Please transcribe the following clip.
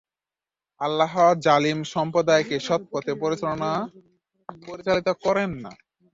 আল্লাহ জালিম সম্প্রদায়কে সৎপথে পরিচালিত করেন না।